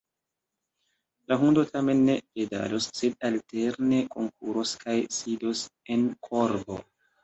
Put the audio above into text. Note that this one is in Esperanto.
La hundo tamen ne pedalos, sed alterne kunkuros kaj sidos en korbo.